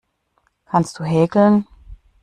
Kannst du häkeln?